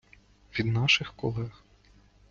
від наших колег.